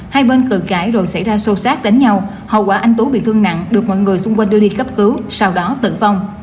hai bên cử cãi rồi xảy ra sâu sát đánh nhau hậu quả anh tú bị thương nặng được mọi người xung quanh đưa đi cấp cứu sau đó tử vong